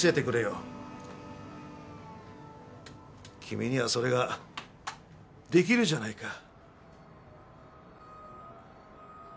君にはそれが出来るじゃないか。